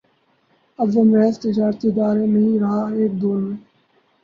اب وہ محض تجارتی ادارہ نہیں رہا ایک دور میں